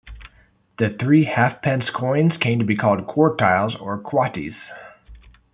The three-halfpence coins came to be called "quartiles" or "quatties.